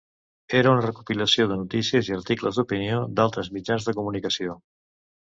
Era una recopilació de notícies i articles d'opinió d'altres mitjans de comunicació.